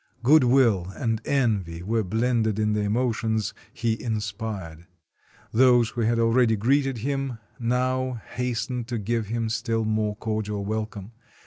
Good will and envy were blended in the emotions he in spired; those who had already greeted him, now has tened to give him still more cordial welcome.